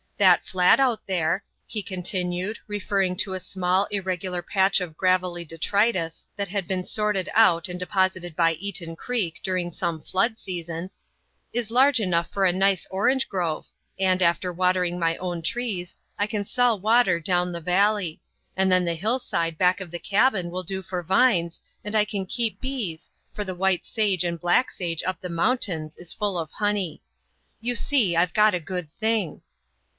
That flat out there," he continued, referring to a small, irregular patch of gravelly detritus that had been sorted out and deposited by Eaton Creek during some flood season, "is large enough for a nice orange grove, and, after watering my own trees, I can sell water down the valley; and then the hillside back of the cabin will do for vines, and I can keep bees, for the white sage and black sage up the mountains is full of honey. You see, I've got a good thing."